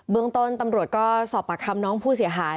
เมืองต้นตำรวจก็สอบปากคำน้องผู้เสียหาย